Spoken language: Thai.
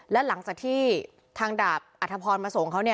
และหลังจากที่ทางดาบอัธพรมาส่งเขา